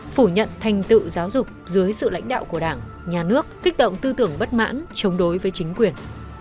phủ nhận thành tựu giáo dục dưới sự lãnh đạo của đảng nhà nước kích động tư tưởng bất mãn chống đối với chính quyền